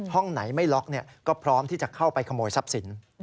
ห้องไหนไม่ล็อกก็พร้อมที่จะเข้าไปขโมยทรัพย์สิน